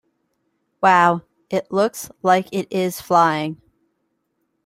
Wow! It looks like it is flying!